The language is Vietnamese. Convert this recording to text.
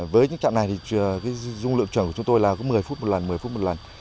với những trạm này dung lượng truyền của chúng tôi là một mươi phút một lần một mươi phút một lần